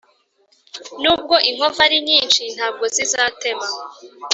N’ubwo inkovu ari nyinshi Ntabwo zizatema!